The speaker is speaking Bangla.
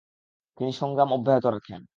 তিনি সংগ্রাম অব্যাহত রাখেন।